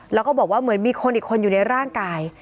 แล้วก็บอกว่าเหมือนมีคนอีกคนอยู่ในร่างกาย